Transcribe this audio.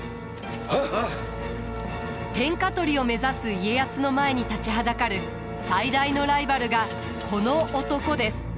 天下取りを目指す家康の前に立ちはだかる最大のライバルがこの男です。